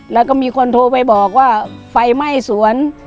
แล้วก็มีคนโทรไปบอกว่าไฟไหม้สวน